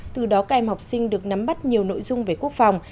từ đó các em học sinh được nắm bắt nhiều nội dung về quốc phòng